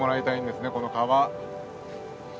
この川。